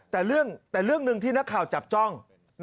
แต่เรื่องหนึ่งที่นักข่าวจับจ้อง